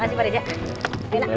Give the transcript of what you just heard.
nenek beritahu nenek